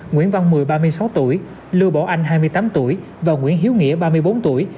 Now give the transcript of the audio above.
nguyễn văn mười ba mươi sáu tuổi lưu bảo anh hai mươi tám tuổi và nguyễn hiếu nghĩa ba mươi bốn tuổi